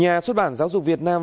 nhà xuất bản giáo dục việt nam